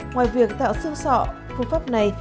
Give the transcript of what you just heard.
ngoài việc tạo xương sọ phương pháp này